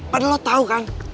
padahal lo tau kan